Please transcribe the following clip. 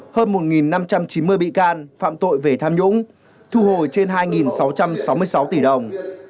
hơn một năm trăm chín mươi bị can phạm tội về tham nhũng thu hồi trên hai sáu trăm sáu mươi sáu tỷ đồng